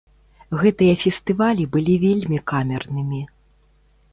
Гэтыя фестывалі былі вельмі камернымі.